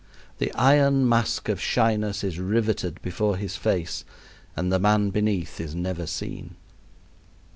The iron mask of shyness is riveted before his face, and the man beneath is never seen.